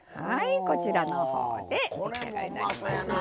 こちらのほうで出来上がりになります。